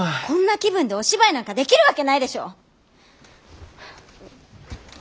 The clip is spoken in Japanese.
こんな気分でお芝居なんかできるわけないでしょ！